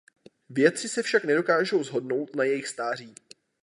Vědci se však nedokážou shodnout na jejich stáří.